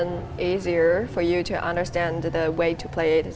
dan lebih mudah untuk kamu memahami cara mempelajarinya